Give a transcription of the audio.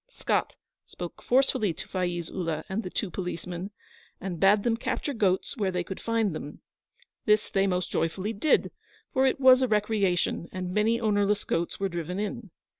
Scott spoke forcefully to Faiz Ullah and the two policemen, and bade them capture goats where they could find them. This they most joyfully did, for it was a recreation, and many ownerless goats were driven in.